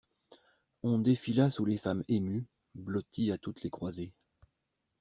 On défila sous les femmes émues, blotties à toutes les croisées.